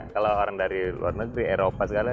kalau orang dari luar negeri eropa segalanya